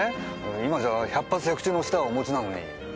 今じゃ百発百中の舌をお持ちなのに。